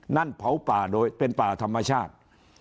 นั่นเผาป่าโดยเป็นป่าธรรมชาติ